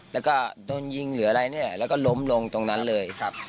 แล้วก็โดนยิงหรืออะไรเนี่ยแล้วก็ล้มลงตรงนั้นเลยครับ